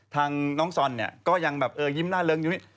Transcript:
ทางน้องส่อนก็ยิ้มหน้าเริงอยู่นี่